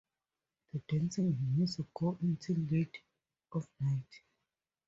The dancing and music go on till late at night.